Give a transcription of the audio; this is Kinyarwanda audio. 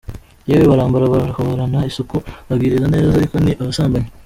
Yewe barambara bahorana isuku, babwiriza neza ariko ni abasambanyi, .